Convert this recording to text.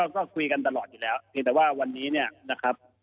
ก็คุยกันตลอดอยู่แล้วแต่ว่าวันนี้นะครับ